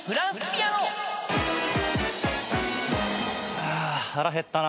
あ腹減ったなぁ。